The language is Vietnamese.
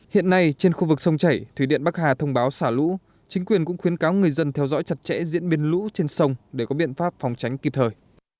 hiện nay trên khu vực sông chảy thủy điện bắc hà thông báo xả lũ chính quyền cũng khuyến cáo người dân theo dõi chặt chẽ diễn biến lũ trên sông để có biện pháp phòng tránh kịp thời